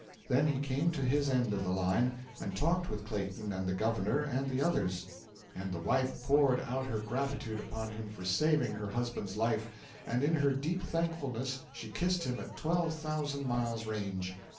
Then he came to his end of the line, and talked with Clayton and the governor and the others; and the wife poured out her gratitude upon him for saving her husband's life, and in her deep thankfulness she kissed him at twelve thousand miles' range.